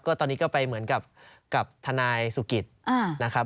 ตอนนี้ก็ไปเหมือนกับกับทนายสุกิตนะครับ